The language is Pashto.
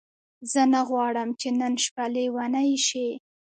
زه نه غواړم چې نن شپه لیونۍ شې.